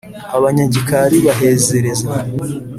Abanyagikari bahezereza